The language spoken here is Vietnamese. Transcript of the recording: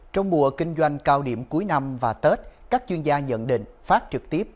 trong mùa kinh doanh cao điểm cuối năm và tết các chuyên gia nhận định phát trực tiếp